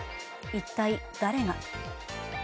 一体、誰が。